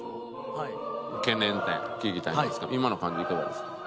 懸念点聞きたいんですけど今の感じいかがですか？